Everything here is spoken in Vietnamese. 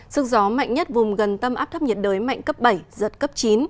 sức gió mạnh nhất vùng gần tâm áp thấp nhiệt đới mạnh cấp bảy giật cấp chín